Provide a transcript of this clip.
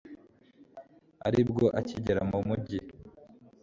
ari bwo akigera mu mugi